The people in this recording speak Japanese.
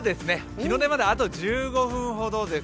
日の出まであと１５分ほどです。